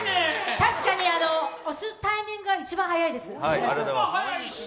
確かに押すタイミングは一番早いです。